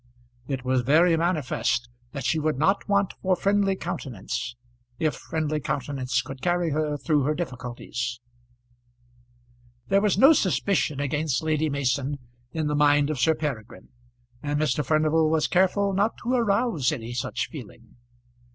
It was very manifest that she would not want for friendly countenance, if friendly countenance could carry her through her difficulties. There was no suspicion against Lady Mason in the mind of Sir Peregrine, and Mr. Furnival was careful not to arouse any such feeling.